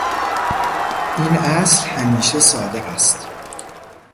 این اصل همیشه صادق است.